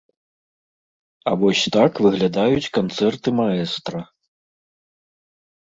А вось так выглядаюць канцэрты маэстра.